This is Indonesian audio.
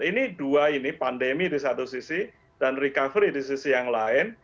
ini dua ini pandemi di satu sisi dan recovery di sisi yang lain